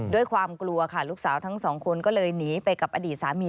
ด้วยความกลัวค่ะลูกสาวทั้งสองคนก็เลยหนีไปกับอดีตสามี